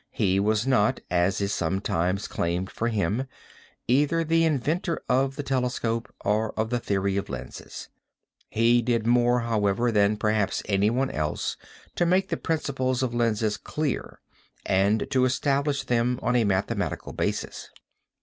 He was not, as is sometimes claimed for him, either the inventor of the telescope or of the theory of lenses. He did more, however, than perhaps anyone else to make the principles of lenses clear and to establish them on a mathematical basis.